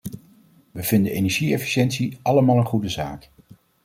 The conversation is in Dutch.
We vinden energie-efficiëntie allemaal een goede zaak.